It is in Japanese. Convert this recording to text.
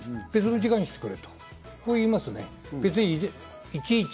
別の時間にしてくれと言いますね。